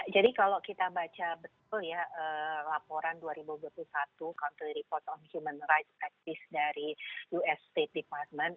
jadi kalau kita baca betul ya laporan dua ribu dua puluh satu country report on human rights practice dari us state department